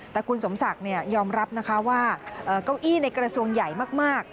แต่คุณสมศักดิ์ยอมรับนะคะว่าเก้าอี้ในกระทรวงใหญ่มาก